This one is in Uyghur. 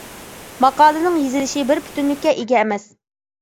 ماقالىنىڭ يېزىلىشى بىر پۈتۈنلۈككە ئىگە ئەمەس.